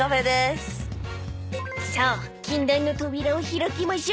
［さあ禁断の扉を開きましょう］